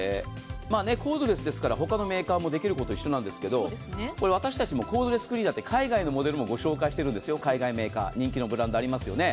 コードレスですから他のメーカーもできることは一緒なんですけど、私たちもコードレスクリーナー、海外のメーカーのものもご紹介してるんですよ、人気のブランドありますよね。